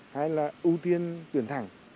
hay là ưu tiên tuyển thẳng